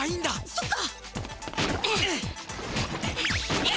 そっか！